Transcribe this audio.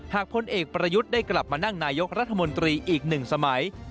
พลเอกประยุทธ์ได้กลับมานั่งนายกรัฐมนตรีอีก๑สมัย